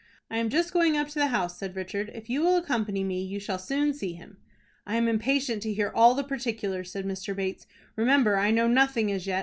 "I am just going up to the house," said Richard. "If you will accompany me, you shall soon see him." "I am impatient to hear all the particulars," said Mr. Bates. "Remember, I know nothing as yet.